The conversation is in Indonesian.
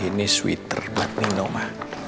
ini sweater buat mino ma